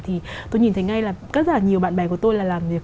thì tôi nhìn thấy ngay là rất là nhiều bạn bè của tôi là làm việc